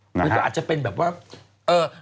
เหมือนก็อาจจะเป็นแบบว่า